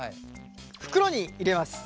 袋に入れます。